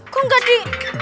kok gak di